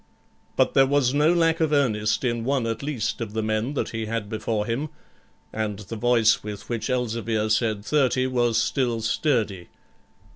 But there was no lack of earnest in one at least of the men that he had before him, and the voice with which Elzevir said 30 was still sturdy.